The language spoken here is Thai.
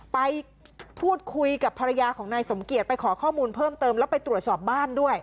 ไปพูดคุยกับภรรยาของนายสมเกียจไปขอข้อมูลเพิ่มเติมแล้วไปตรวจสอบบ้านด้วย